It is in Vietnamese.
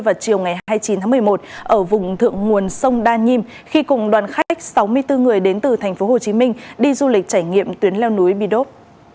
vào chiều ngày hai mươi chín tháng một mươi một ở vùng thượng nguồn sông đa nhiêm khi cùng đoàn khách sáu mươi bốn người đến từ tp hcm đi du lịch trải nghiệm tuyến leo núi bidop